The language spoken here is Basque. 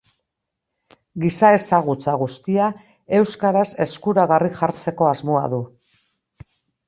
Giza ezagutza guztia euskaraz eskuragarri jartzeko asmoa du.